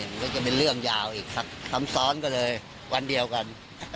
มันก็จะเป็นเรื่องยาวอีกซ้ำซ้อนก็เลยวันเดียวกัน